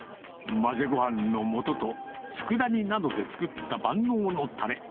混ぜごはんのもとと、つくだ煮などで作った万能のたれ。